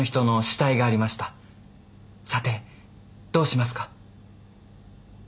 さてどうしますか？